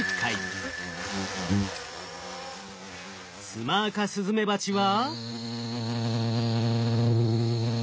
ツマアカスズメバチは。